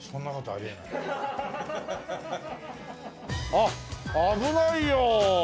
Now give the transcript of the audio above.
あっ危ないよ！